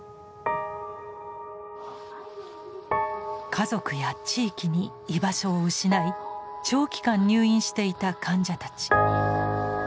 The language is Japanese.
家族や地域に居場所を失い長期間入院していた患者たち。